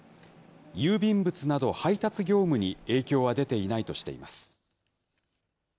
郵便物など、配達業務に影響は出ていないとしています。